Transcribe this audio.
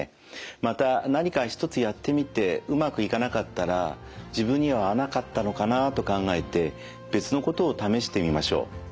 また何か一つやってみてうまくいかなかったら自分には合わなかったのかなと考えて別のことを試してみましょう。